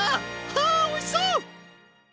はあおいしそう！